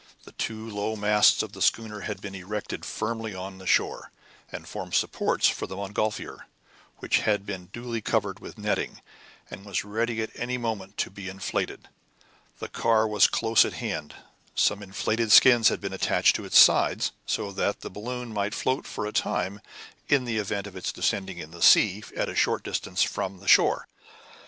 The two low masts of the schooner had been erected firmly on the shore, and formed supports for the montgolfier, which had been duly covered with the netting, and was ready at any moment to be inflated. The car was close at hand. Some inflated skins had been attached to its sides, so that the balloon might float for a time, in the event of its descending in the sea at a short distance from the shore.